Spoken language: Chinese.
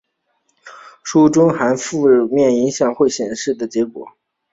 书中还指负面思想会显示负面的结果。